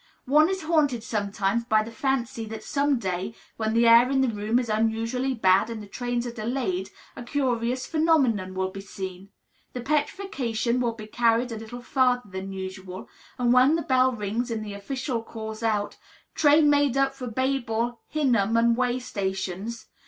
One is haunted sometimes by the fancy that some day, when the air in the room is unusually bad and the trains are delayed, a curious phenomenon will be seen. The petrifaction will be carried a little farther than usual, and, when the bell rings and the official calls out, "Train made up for Babel, Hinnom, and way stations?"